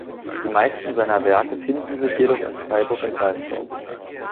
Die meisten seiner Werke finden sich jedoch in Freiburg im Breisgau.